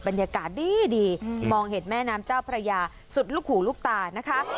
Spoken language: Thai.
บรรยากาศดีมองเห็นแม่น้ำเจ้าพระยาสุดลูกหูลูกตานะคะ